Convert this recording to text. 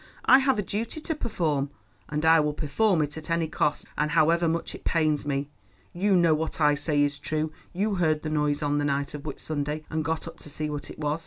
I have a duty to perform, and I will perform it at any cost, and however much it pains me. You know that what I say is true. You heard the noise on the night of Whit Sunday, and got up to see what it was.